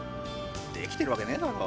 できてるわけねえだろ。